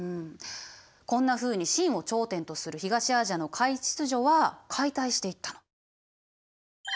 こんなふうに清を頂点とする東アジアの華夷秩序は解体していったの。